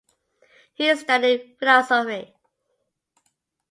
He studied philosophy.